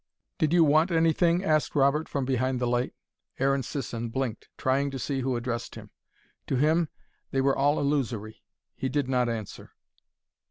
"Did you want anything?" asked Robert, from behind the light. Aaron Sisson blinked, trying to see who addressed him. To him, they were all illusory. He did not answer.